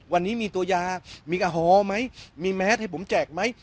วันนี้มีตัวยามีแอลกอฮอล์ไหมมีแมสให้ผมแจกไหม